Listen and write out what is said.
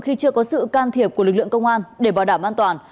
khi chưa có sự can thiệp của lực lượng công an để bảo đảm an toàn